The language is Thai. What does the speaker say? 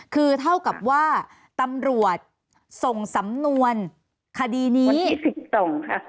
คือเท่ากับว่าตำรวจส่งสำนวนคดีนี้วันที่สิบสองค่ะ